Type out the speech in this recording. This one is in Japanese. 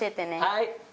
はい。